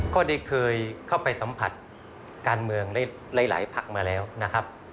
ก็ได้เคยเข้าไปสัมผัสการเมืองหลายพักมาแล้วนะครับ